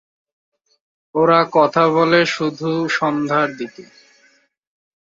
ওরা কথা বলে শুধুসন্ধ্যার দিকে।